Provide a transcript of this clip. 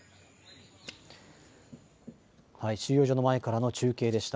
収容所の前から中継でした。